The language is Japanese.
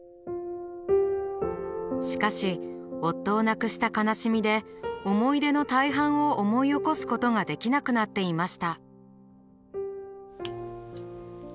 しかし夫を亡くした悲しみで思い出の大半を思い起こすことができなくなっていました。